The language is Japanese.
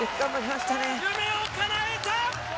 夢をかなえた！